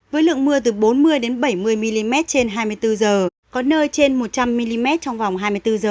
với lượng mưa từ bốn mươi bảy mươi mm trên hai mươi bốn h có nơi trên một trăm linh mm trong vòng hai mươi bốn h